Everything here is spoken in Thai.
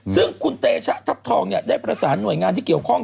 ซึ่งคุณเตชะทัพทองได้ประสานหน่วยงานที่เกี่ยวข้อง